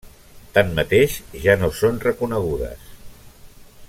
Tanmateix, ja no són reconegudes.